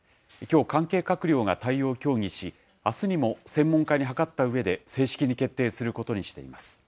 きょう、関係閣僚が対応を協議し、あすにも専門家に諮ったうえで、正式に決定することにしています。